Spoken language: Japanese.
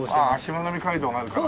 しまなみ海道があるから。